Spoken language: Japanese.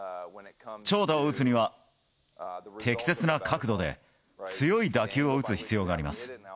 長打を打つには、適切な角度で強い打球を打つ必要があります。